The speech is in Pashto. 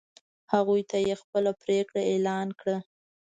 هغوی ته یې خپله پرېکړه اعلان کړه.